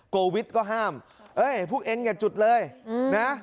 โกวิดก็ห้ามพวกเองอย่าจุดเลยนะ